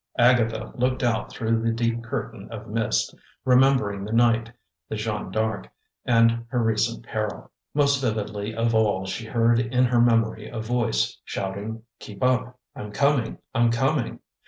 Agatha looked out through the deep curtain of mist, remembering the night, the Jeanne D'Arc, and her recent peril. Most vividly of all she heard in her memory a voice shouting, "Keep up! I'm coming, I'm coming!"